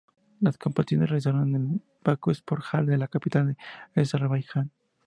Las competiciones se realizaron en el Bakú Sports Hall de la capital de Azerbaiyán.